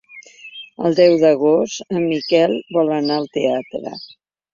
El deu d'agost en Miquel vol anar al teatre.